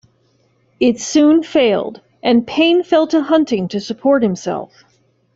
It soon failed and Payne fell to hunting to support himself.